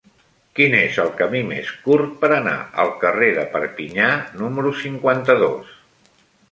Quin és el camí més curt per anar al carrer de Perpinyà número cinquanta-dos?